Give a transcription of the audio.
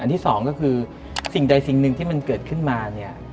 ที่สองก็คือสิ่งใดสิ่งหนึ่งที่มันเกิดขึ้นมาเนี่ย